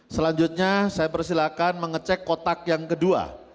selanjutnya saya persilakan mengecek kotak yang kedua